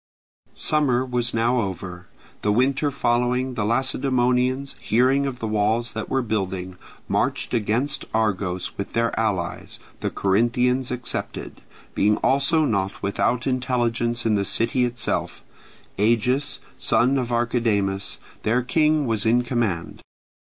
Summer was now over. The winter following the Lacedaemonians, hearing of the walls that were building, marched against Argos with their allies, the Corinthians excepted, being also not without intelligence in the city itself; Agis, son of Archidamus, their king, was in command.